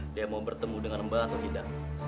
dia mau bertemu dengan mbak atau tidak